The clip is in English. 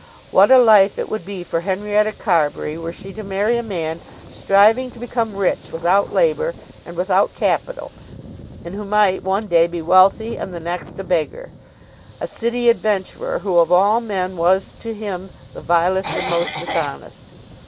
What a life it would be for Henrietta Carbury were she to marry a man striving to become rich without labour and without capital, and who might one day be wealthy and the next a beggar, a city adventurer, who of all men was to him the vilest and most dishonest?